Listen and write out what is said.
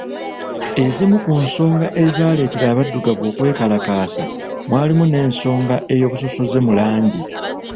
Ezimu ku nsonga ezaaleetera abadduggavu okwekalakaasa mwalimu n’ensonga y’obusosoze mu langi.